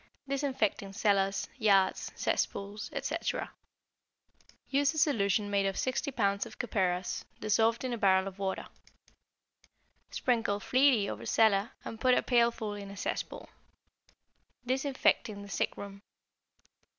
=Disinfecting Cellars, Yards, Cesspools, etc.= Use a solution made of 60 pounds of copperas dissolved in a barrel of water. Sprinkle freely over cellar and put a pailful in a cesspool. =Disinfecting the Sick Room.